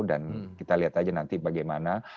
dan kita lihat saja nanti bagaimana